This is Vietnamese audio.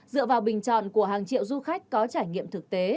dựa vào bình chọn của hàng triệu du khách có trải nghiệm thực tế